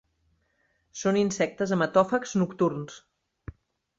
Són insectes hematòfags nocturns.